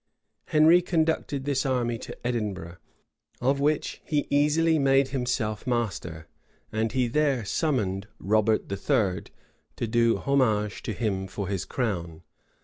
[] Henry conducted this army to Edinburgh, of which he easily made himself master; and he there summoned Robert III. to do homage to him for his crown.